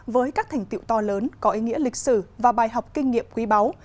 với các thành tiệu to lớn có ý nghĩa lịch sử và bài học kinh nghiệm quý báu